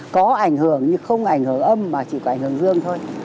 có ảnh hưởng nhưng không ảnh hưởng âm mà chỉ có ảnh hưởng dương thôi